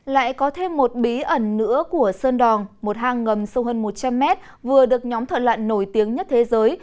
lại có thêm một bí ẩn nữa của sơn đòn một hang ngầm sâu hơn một trăm linh mét vừa được nhóm thợ lặn nổi tiếng nhất thế giới